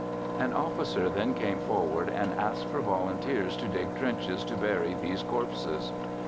"An officer then came forward and asked for volunteers to dig trenches to bury these corpses.